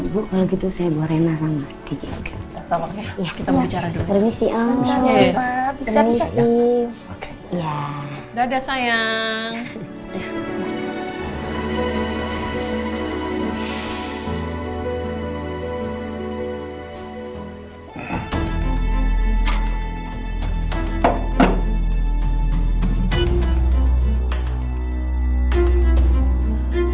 bu kalau gitu saya bawa rena sama kejik